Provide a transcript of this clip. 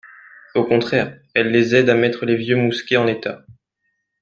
Au contraire, elles les aidaient à mettre les vieux mousquets en état.